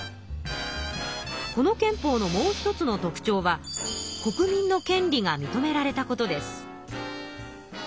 この憲法のもう一つの特ちょうは国民の権利が認められたことです。